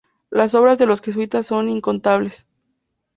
Las obras de los jesuitas son incontables.